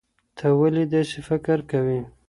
ته ولې داسې فکر کوې؟